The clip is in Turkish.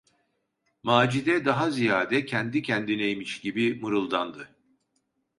Macide, daha ziyade kendi kendineymiş gibi mırıldandı: